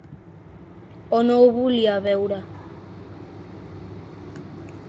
O no ho volia veure.